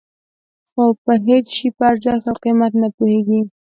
خو په هېڅ شي په ارزښت او قیمت نه پوهېږي.